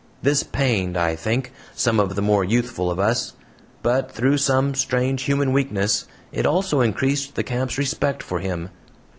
This pained, I think, some of the more youthful of us; but, through some strange human weakness, it also increased the camp's respect for him.